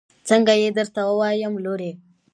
څنګه يې درته ووايم لورې.